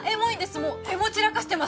もうエモ散らかしてます！